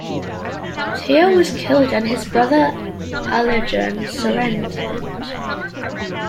Teia was killed and his brother Aligern surrendered.